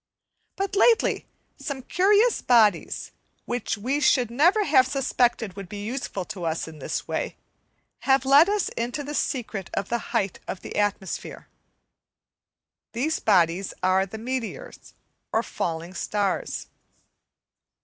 But lately, some curious bodies, which we should have never suspected would be useful to us in this way, have let us into the secret of the height of the atmosphere. These bodies are the meteors, or falling stars.